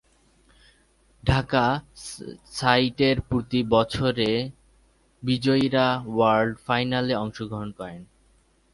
ঢাকা সাইটের প্রতি বছরের বিজয়ীরা ওয়ার্ল্ড ফাইনালে অংশগ্রহণ করে।